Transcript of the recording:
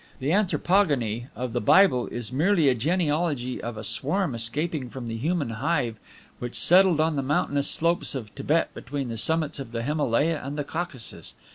The anthropogony of the Bible is merely a genealogy of a swarm escaping from the human hive which settled on the mountainous slopes of Thibet between the summits of the Himalaya and the Caucasus.